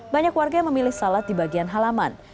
banyak warga yang memilih salat di bagian halaman